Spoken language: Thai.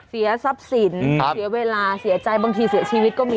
เสียทรัพย์สินเสียเวลาเสียใจบางทีเสียชีวิตก็มี